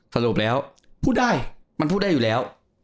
สรุปแล้วพูดได้มันพูดได้อยู่แล้ว